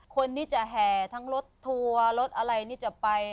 คนที่จะแห่ทั้งรถทัวร์รถอะไรนี่จะไป